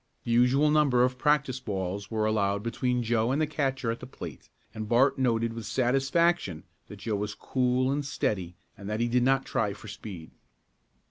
The usual number of practice balls were allowed between Joe and the catcher at the plate and Bart noted with satisfaction that Joe was cool and steady and that he did not try for speed.